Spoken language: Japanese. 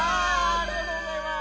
ありがとうございます！